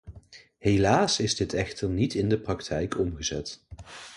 Helaas is dit echter niet in de praktijk omgezet.